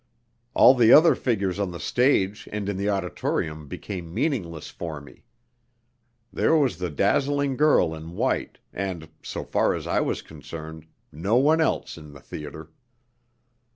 All the other figures on the stage and in the auditorium became meaningless for me. There was the dazzling girl in white, and, so far as I was concerned, no one else in the theatre.